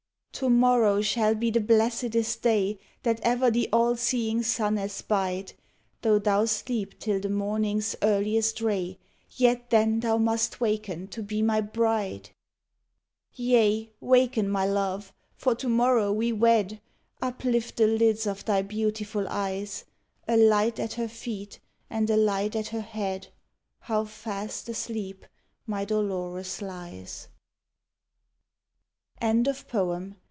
To morrow shall be the blessedest day That ever the all seeing sun espied: Though thou sleep till the morning's earliest ray, Yet then thou must waken to be my bride. Yea, waken, my love, for to morrow we wed: Uplift the lids of thy beautiful eyes. A light at her feet and a light at her head, How fast asleep my Dolores lies! EMMA LAZARUS.